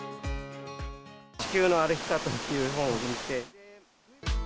地球の歩き方という本を見て。